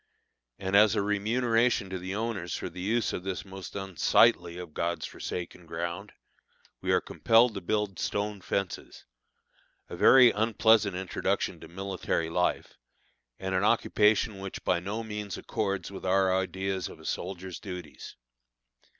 And as a remuneration to the owners for the use of this most unsightly of God's forsaken ground, we are compelled to build stone fences a very unpleasant introduction to military life, and an occupation which by no means accords with our ideas of a soldier's duties.